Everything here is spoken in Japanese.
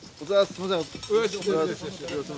すいません。